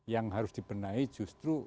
yang harus dibenahi justru